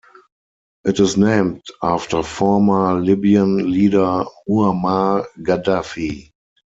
It is named after former Libyan leader Muammar Gaddafi.